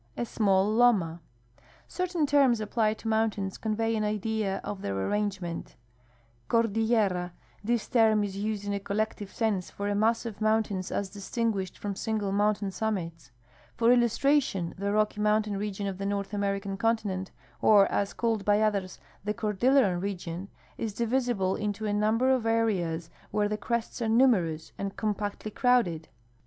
— A small loma. Certain terms applied to mountains convey an idea of their arrangement : Cordillera. — This term is used in a collective sense for a mass of moun tains as distinguished from single mountain summits. For illustration, the Rocky mountain region of the North American continent, or, as called by others, the cordilleran region, is divisible into a number of areas where the crests are numerous and compactly crowded.